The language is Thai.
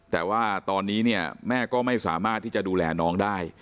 แต่ว่าตอนนี้เนี่ยแม่ก็ไม่สามารถที่จะดูแลน้องได้